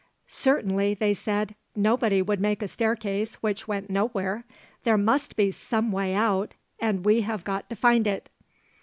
'Certainly,' they said, 'nobody would make a staircase which went nowhere! There must be some way out and we have got to find it.'